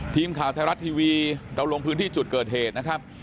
ทีมข่าวไทยรัฐทีวีเราลงพื้นที่จุดเกิดเหตุนะครับ